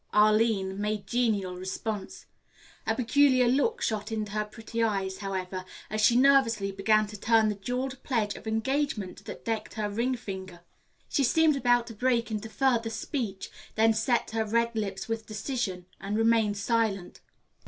Arline made genial response. A peculiar look shot into her pretty eyes, however, as she nervously began to turn the jeweled pledge of engagement that decked her ring finger. She seemed about to break into further speech, then set her red lips with decision and remained silent.